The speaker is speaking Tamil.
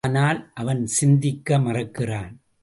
ஆனால் அவன் சிந்திக்க மறுக்கிறான்!